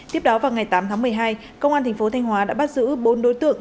tiếp đó vào ngày tám tháng một mươi hai công an thành phố thanh hóa đã bắt giữ bốn đối tượng